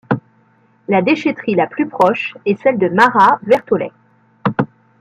La déchèterie la plus proche est celle de Marat-Vertolaye.